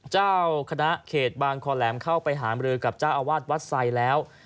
เจ้าคณะเขตบางคอแหลมเข้าไปหามรือกับเจ้าอาวาสวัดไซด์แล้ว